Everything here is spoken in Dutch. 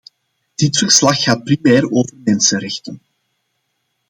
Dit verslag gaat primair over mensenrechten.